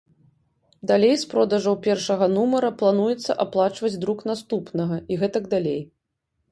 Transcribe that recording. Далей з продажаў першага нумара плануецца аплачваць друк наступнага, і гэтак далей.